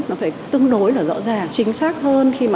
nó phải tương đối là rõ ràng chính xác hơn